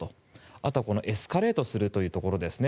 あとはエスカレートするところですね。